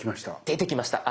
出てきました。